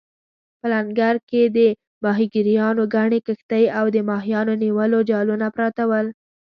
په لنګر کې د ماهیګیرانو ګڼې کښتۍ او د ماهیانو نیولو جالونه پراته ول.